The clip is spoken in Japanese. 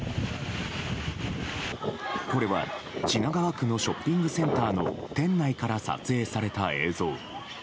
これは品川区のショッピングセンターの店内から撮影された映像。